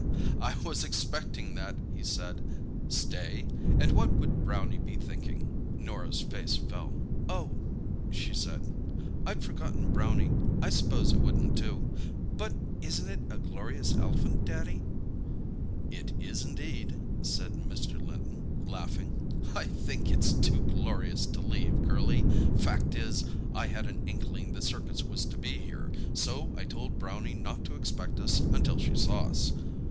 "I was expecting that," he said. "Stay? And what would Brownie be thinking?" Norah's face fell. "Oh," she said. "I'd forgotten Brownie. I s'pose it wouldn't do. But isn't it a glorious elephant, Daddy?" "It is, indeed," said Mr. Linton, laughing. "I think it's too glorious to leave, girlie. Fact is, I had an inkling the circus was to be here, so I told Brownie not to expect us until she saw us.